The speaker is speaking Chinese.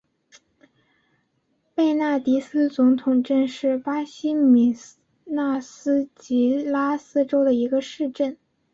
贝纳迪斯总统镇是巴西米纳斯吉拉斯州的一个市镇。